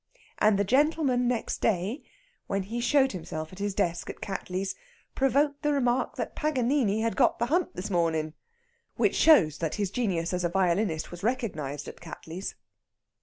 And the gentleman next day, when he showed himself at his desk at Cattley's, provoked the remark that Paganini had got the hump this morning which shows that his genius as a violinist was recognised at Cattley's.